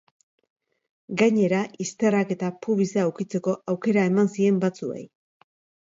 Gainera, izterrak eta pubisa ukitzeko aukera eman zien batzuei.